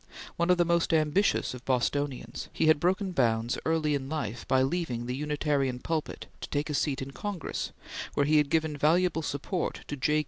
One of the most ambitious of Bostonians, he had broken bounds early in life by leaving the Unitarian pulpit to take a seat in Congress where he had given valuable support to J.